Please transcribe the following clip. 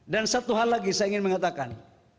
dan satu hal lagi saya ingin mengatakan